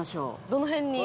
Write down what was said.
どの辺に？